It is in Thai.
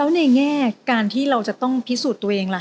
แล้วในแง่การที่เราจะต้องพิสูจน์ตัวเองล่ะ